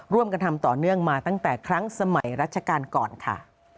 ร่วมกันทำต่อเนื่องมาตั้งแต่ครั้งสมัยรัชกาลก่อนค่ะ